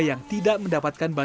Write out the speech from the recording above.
yang tidak mendapatkan penyelamat